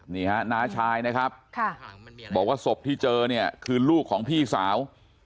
นี่ฮะน้าชายนะครับบอกว่าศพที่เจอเนี่ยคือลูกของพี่สาว